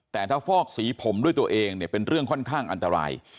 แต่ถ้าฟอกสีผมด้วยตัวเองเนี่ยเป็นเรื่องค่อนข้างอันตราย